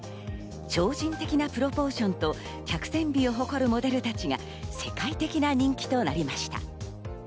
超人的なプロポーションと脚線美を誇るモデルたちが世界的な人気となりました。